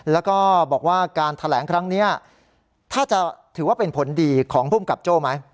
แล้วก็บอกว่าการแถลงครั้งนี้ถ้าจะถือว่าเป็นผลดีของภูมิกับโจ้ไหม